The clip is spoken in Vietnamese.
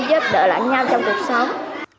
giúp đỡ lại nhau trong cuộc sống